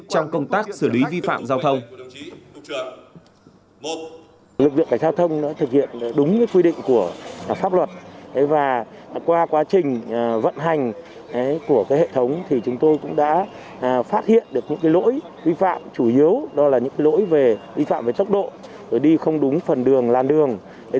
trong công tác xử lý vi phạm giao thông